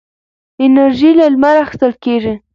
انرژي له لمره اخېستل کېږي.